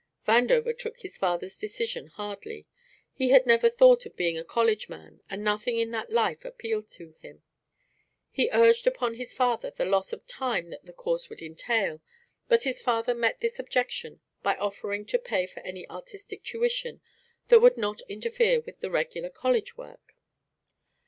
Vandover took his father's decision hardly. He had never thought of being a college man and nothing in that life appealed to him. He urged upon his father the loss of time that the course would entail, but his father met this objection by offering to pay for any artistic tuition that would not interfere with the regular college work.